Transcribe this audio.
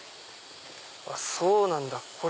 そうなんだ。